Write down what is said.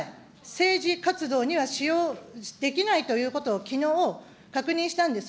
政治活動には使用できないということをきのう確認したんです。